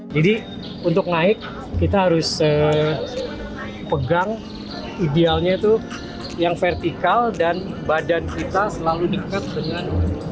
jadi untuk naik kita harus pegang idealnya itu yang vertikal dan badan kita selalu dekat dengan